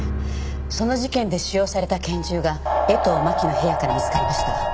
その事件で使用された拳銃が江藤真紀の部屋から見つかりました。